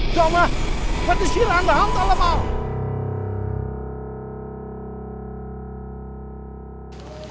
jomah berisir anda hantar lemah